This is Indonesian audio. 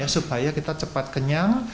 supaya kita cepat kenyang